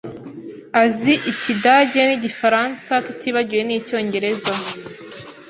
Azi Ikidage nigifaransa, tutibagiwe nicyongereza.